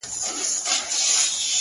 • له خوښيه ابليس وكړله چيغاره ,